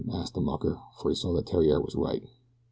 asked the mucker, for he saw that Theriere was right.